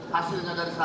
hasilnya dari sana